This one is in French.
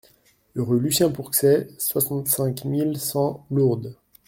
Rue Lucien Pourxet, soixante-cinq mille cent Lourdes